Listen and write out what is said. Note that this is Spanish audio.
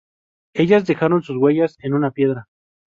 Ellas dejaron sus huellas en una piedra.